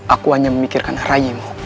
aku hanya memikirkan raihimu